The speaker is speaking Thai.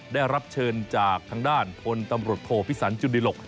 ได้รับเชิญจากทางด้านพลตำรวจโทพิสันจุดิหลก